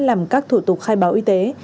làm các thủ tục khai báo y tế